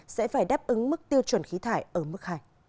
sẽ phải đáp ứng mức tiêu chuẩn khí thải ở mức hai